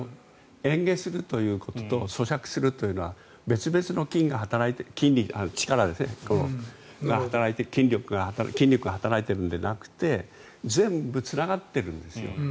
嚥下するということと咀嚼するというのは別々の筋力が働いているのではなくて全部つながっているんです。